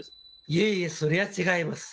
いえいえそれは違います。